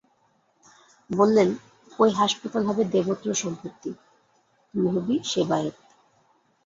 বললেন, ঐ হাঁসপাতাল হবে দেবত্র সম্পত্তি, তুই হবি সেবায়েত।